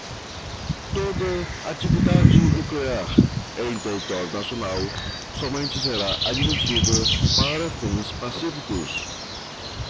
toda atividade nuclear em território nacional somente será admitida para fins pacíficos